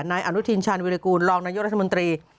นายอนุทินชาญวิรากูลรองนายกรัฐมนตรี